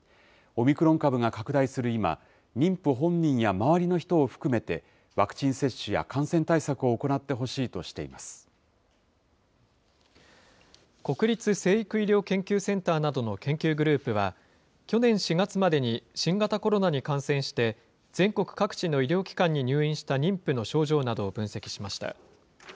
オミクロン株が拡大する今、妊婦本人や周りの人を含めて、ワクチン接種や感染対策を行ってほしい国立成育医療研究センターなどの研究グループは、去年４月までに新型コロナに感染して、全国各地の医療機関に入院した妊婦の症状などを分析しました。